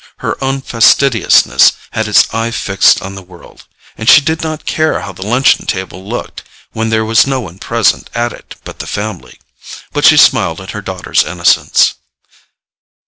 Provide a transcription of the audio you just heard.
Her own fastidiousness had its eye fixed on the world, and she did not care how the luncheon table looked when there was no one present at it but the family. But she smiled at her daughter's innocence.